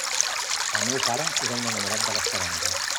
El meu pare era un enamorat de les taronges.